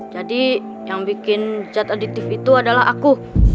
jadi yang bikin zat aditif itu adalah aku